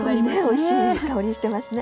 おいしい香りしてますね。